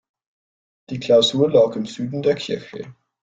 Die Klausur lag im Süden der Kirche.